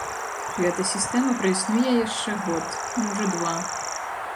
Гэта сістэма праіснуе яшчэ год, можа два.